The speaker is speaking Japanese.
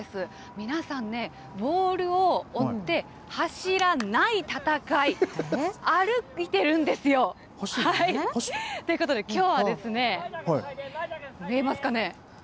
皆さんね、ボールを追って、走らない戦い、歩いてるんですよ。ということで、きょうは、見えますかね。